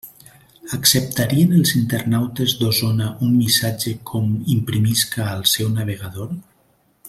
Acceptarien els internautes d'Osona un missatge com imprimisca al seu navegador?